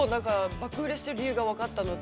◆爆売れしている理由が分かったのと。